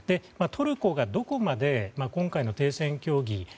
トルコがどこまで今回の停戦協議